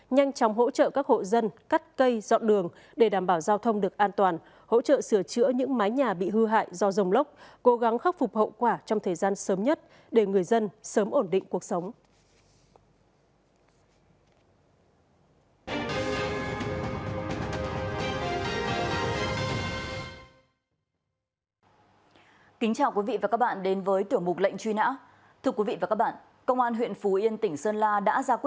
nhanh chóng hỗ trợ các hộ dân cắt cây dọn đường để đảm bảo giao thông được an toàn hỗ trợ sửa chữa những mái nhà bị hư hại do rồng lốc cố gắng khắc phục hậu quả trong thời gian sớm nhất để người dân sớm ổn định cuộc sống